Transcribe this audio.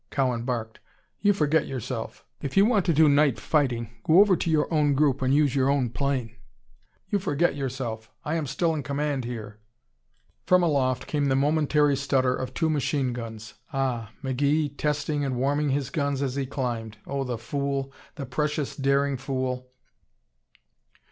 Cowan barked. "You forget yourself. If you want to do night fighting go over to your own group and use your own plane! You forget yourself. I am still in command here!" From aloft came the momentary stutter of two machine guns. Ah! McGee testing and warming his guns as he climbed. Oh, the fool! The precious, daring fool!